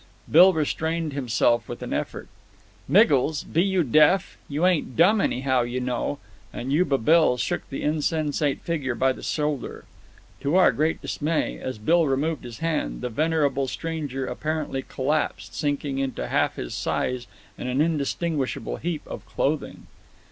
Bill restrained himself with an effort. "Miggles! Be you deaf? You ain't dumb anyhow, you know"; and Yuba Bill shook the insensate figure by the shoulder. To our great dismay, as Bill removed his hand, the venerable stranger apparently collapsed sinking into half his size and an undistinguishable heap of clothing.